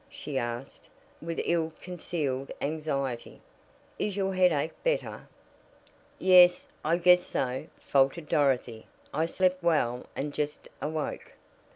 she asked, with ill concealed anxiety. "Is your headache better?" "Yes, I guess so," faltered Dorothy. "I slept well, and just awoke."